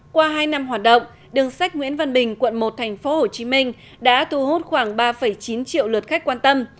qua hai năm hoạt động đường sách nguyễn văn bình quận một tp hcm đã thu hút khoảng ba chín triệu lượt khách quan tâm